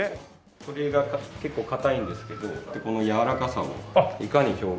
これが結構硬いんですけどこのやわらかさをいかに表現してるか。